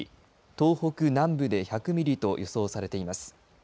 東北南部で１００ミリと予想されています。